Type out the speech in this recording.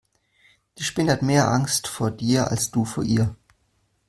Die Spinne hat mehr Angst vor dir als du vor ihr.